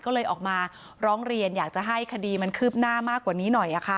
ก็เลยออกมาร้องเรียนอยากจะให้คดีมันคืบหน้ามากกว่านี้หน่อย